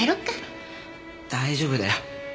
大丈夫だよ。